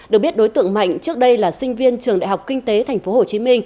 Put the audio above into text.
được biết đối tượng mạnh trước đây là sinh viên trường đại học kinh tế tp hcm